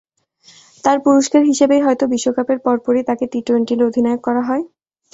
তার পুরস্কার হিসেবেই হয়তো, বিশ্বকাপের পরপরই তাঁকে টি-টোয়েন্টির অধিনায়ক করা হয়।